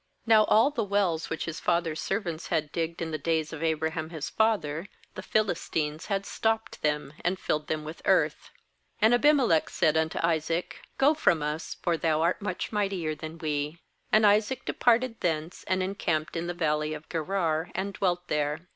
15Now all the wells which his father's servants had digged in the days of Abraham Ms father, the PMlistines had stopped them, and filled them with earth. 16And Abimelech said unto Isaac: 'Go from us; for thou art much might ier than we.' 17And Isaac departed thence, and encamped in the valley of Gerar, and dwelt there.